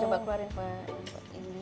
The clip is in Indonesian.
coba keluarin pak